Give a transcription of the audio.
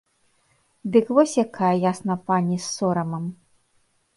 Дык вось якая, ясна пані, з сорамам!